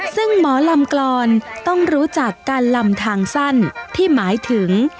ซึ่งหมอลำกลอนต้องรู้จักการลำทางสั้นที่หมายถึง